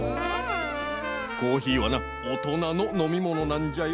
コーヒーはなおとなののみものなんじゃよ。